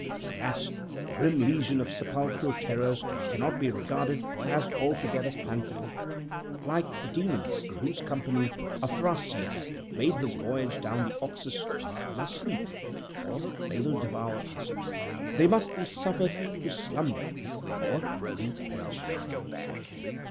Alas! the grim legion of sepulchral terrors cannot be regarded as altogether fanciful but, like the Demons in whose company Afrasiab made his voyage down the Oxus, they must sleep, or they will devour us they must be suffered to slumber, or we perish.